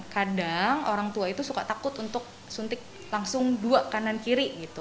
kadang orang tua itu suka takut untuk suntik langsung dua kanan kiri gitu